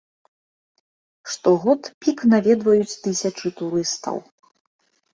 Штогод пік наведваюць тысячы турыстаў.